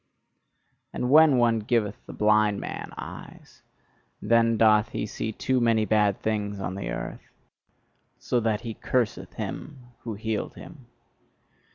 And when one giveth the blind man eyes, then doth he see too many bad things on the earth: so that he curseth him who healed him.